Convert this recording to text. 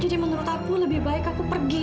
jadi menurut aku lebih baik aku pergi tadi